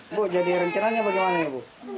ibu jadi rencananya bagaimana ibu